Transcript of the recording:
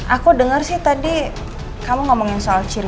aku denger sih tadi kamu ngomongin soal ciri ciri